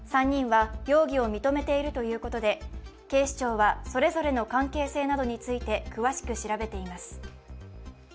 ３人は容疑を認めているということで警視庁はそれぞれの関係性などについて詳しく調べています。